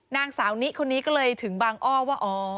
ตอนนี้คนนี้ก็เลยถึงบางอ้อว่า